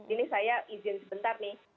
ini saya izin sebentar nih